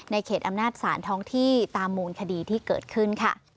เขตอำนาจศาลท้องที่ตามมูลคดีที่เกิดขึ้นค่ะ